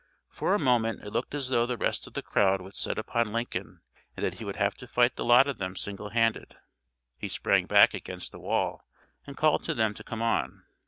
For a moment it looked as though the rest of the crowd would set upon Lincoln and that he would have to fight the lot of them single handed. He sprang back against a wall and called to them to come on.